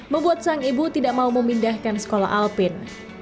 membuat sang ibu tidak mau memindahkan sekolah alpin